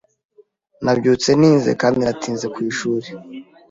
Nabyutse ntinze kandi natinze ku ishuri.